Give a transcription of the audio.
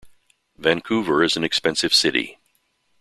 Vancouver is an expensive city.